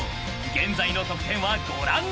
［現在の得点はご覧のとおり］